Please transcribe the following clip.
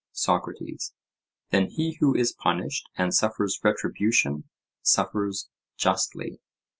SOCRATES: Then he who is punished and suffers retribution, suffers justly?